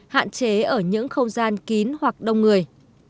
hạn chế ở những không gian kín hoặc đông người